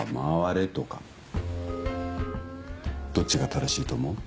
どっちが正しいと思う？